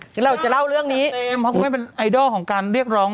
ที่เราจะเล่าเรื่องนี้เพราะคุณแม่เป็นไอดอลของการเรียกร้อง